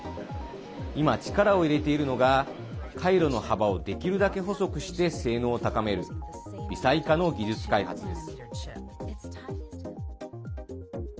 今、力を入れているのが回路の幅をできるだけ細くして性能を高める微細化の技術開発です。